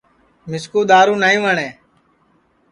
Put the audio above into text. مِسکُو دؔارُو نائی وٹؔے